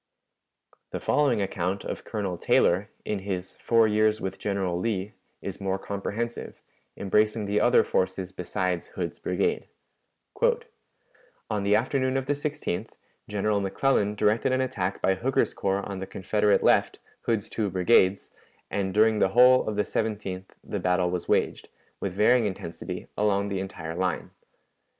The following account of Colonel Taylor, in his "Four Years with General Lee," is more comprehensive, embracing the other forces besides Hood's brigade: "On the afternoon of the 16th, General McClellan directed an attack by Hooker's corps on the Confederate left Hood's two brigades and during the whole of the 17th the battle was waged, with varying intensity, along the entire line.